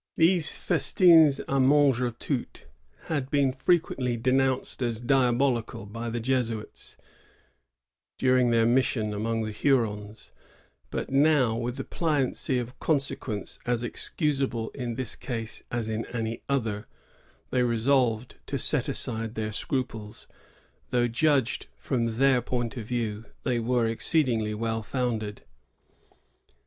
These festvM d manger tout had been frequentiy denounced as diabolical by the Jesuits, during their mission among the Hurona; but now, with a pliancy of conscience as excusable in this case 1658.] THE MEDICINE FEAST. 91 as in anj other, they lesolyed to set aside their scruples, although, judged from their point of view, they were exceedingly well founded.